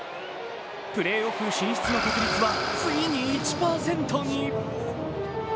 プレーオフ進出の確率はついに１％に。